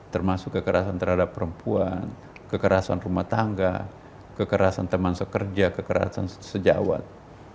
termasuk kekerasan terhadap perempuan kekerasan rumah tangga kekerasan teman sekerja kekerasan sejawat